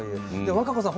和歌子さん